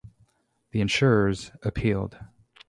The insurers appealed.